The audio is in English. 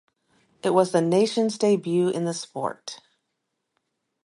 It was the nation's debut in the sport.